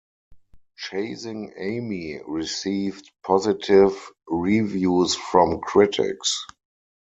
"Chasing Amy" received positive reviews from critics.